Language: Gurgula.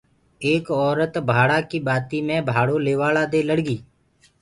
ايڪ اورت ڀاڙآ ڪي ٻآتي مي ڀآڙو ليوآݪآ دي لڙگي